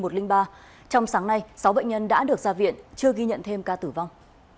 trong sáng nay sáu bệnh nhân đã được ra viện chưa ghi nhận thêm ca tử vong